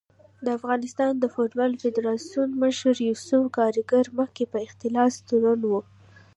د افغانستان د فوټبال فدارسیون مشر یوسف کارګر مخکې په اختلاس تورن و